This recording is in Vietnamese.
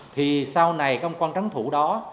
thì sau này các ông quan trấn thủ đó